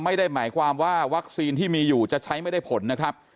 ไม่ได้หมายความว่าวัคซีนที่มีอยู่จะใช้ไม่ได้ผลนะครับ